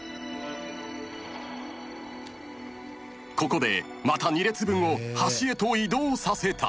［ここでまた２列分を端へと移動させた］